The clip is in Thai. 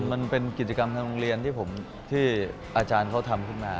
มันเป็นกิจกรรมทางโรงเรียนที่อาจารย์เขาทำขึ้นมา